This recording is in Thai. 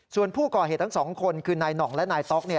ส่วนผู้ก่อเหตุทั้งสองคนคือนายหน่องและนายต๊อก